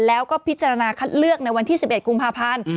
แล้วก็พิจารณาคัดเลือกในวันที่๑๑กุมภาพันธ์